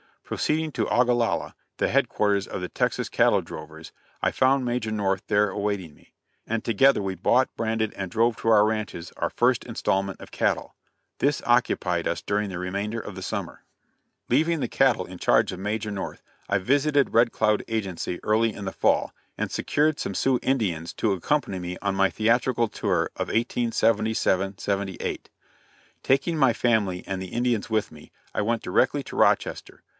Proceeding to Ogalalla, the headquarters of the Texas cattle drovers, I found Major North there awaiting me, and together we bought, branded and drove to our ranches, our first installment of cattle. This occupied us during the remainder of the summer. Leaving the cattle in charge of Major North, I visited Red Cloud Agency early in the fall, and secured some Sioux Indians to accompany me on my theatrical tour of 1877 78. Taking my family and the Indians with me, I went directly to Rochester.